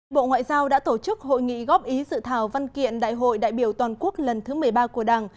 bộ ngoại giao đã tổ chức hội nghị góp ý dự thảo văn kiện đại hội đại biểu toàn quốc lần thứ một mươi ba của đảng